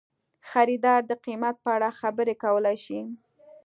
خریدار د قیمت په اړه خبرې کولی شي.